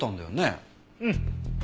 うん。